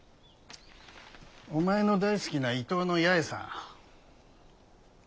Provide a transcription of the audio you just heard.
お前の大好きな伊東の八重さん。